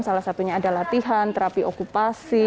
salah satunya ada latihan terapi okupasi